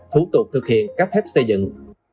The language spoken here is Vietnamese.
thủ tục thực hiện cấp phép xây dựng